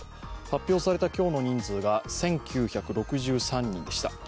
発表された今日の人数が１９６３人でした。